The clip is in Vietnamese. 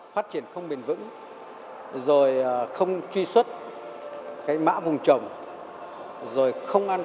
phát triển không bền vững rồi không truy xuất cái mã vùng trồng